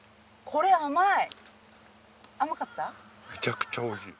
これも甘い！